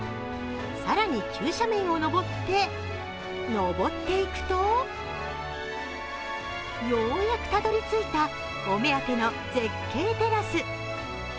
更に急斜面を登って、登っていくとようやくたどりついたお目当ての絶景テラス。